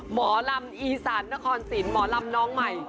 หมอลำอีสานนครสินหมอลำน้องใหม่